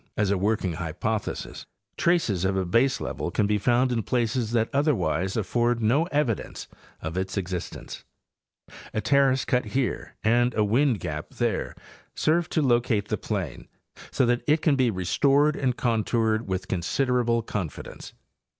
as a working hypothesis, traces of a baselevel can be found in places that otherwise afford no evidence of its existence; a terrace cut here and a wind gap there serve to locate the plain so that it can be restored and contoured with consider able confidence.